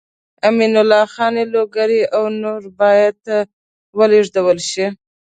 امین الله خان لوګری او نور باید ولېږدول شي.